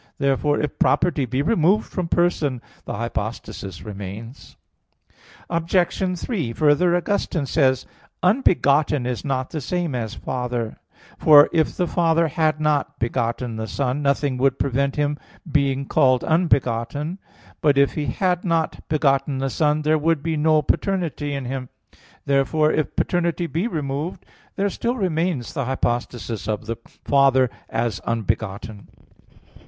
Therefore, if property be removed from person, the hypostasis remains. Obj. 3: Further, Augustine says (De Trin. v, 6): "Unbegotten is not the same as Father; for if the Father had not begotten the Son, nothing would prevent Him being called unbegotten." But if He had not begotten the Son, there would be no paternity in Him. Therefore, if paternity be removed, there still remains the hypostasis of the Father as unbegotten.